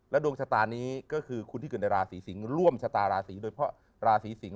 ดวงชะตานี้ก็คือคนที่เกิดในราศีสิงศ์ร่วมชะตาราศีโดยเพราะราศีสิงศ